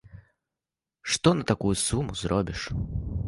Што на такую суму зробіш?